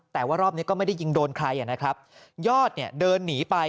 แต่ว่ารอบนี้ก็ไม่ได้ยิงโดนใครนะครับยอดเนี่ยเดินหนีไป